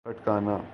katakana